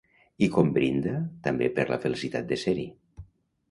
I com brinda també per la felicitat de ser-hi.